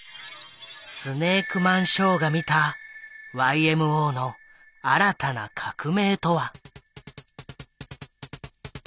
スネークマンショーが見たＹＭＯの新たな革命とは。